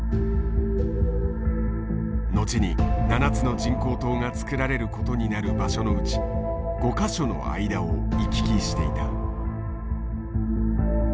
後に７つの人工島が造られることになる場所のうち５か所の間を行き来していた。